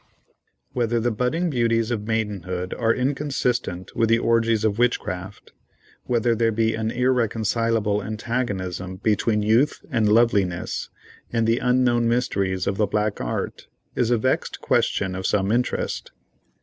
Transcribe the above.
Whether the budding beauties of maidenhood are inconsistent with the orgies of witchcraft; whether there be an irreconcilable antagonism between youth and loveliness, and the unknown mysteries of the black art, is a vexed question of some interest.